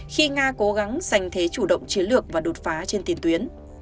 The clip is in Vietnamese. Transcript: khi nga cố gắng giành thế chủ động chiến lược và đột phá trên tiền tuyến